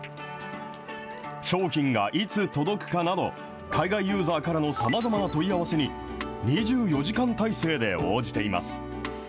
商品がいつ届くかなど、海外ユーザーからのさまざまな問い合わせに、２４時間体制で応じています。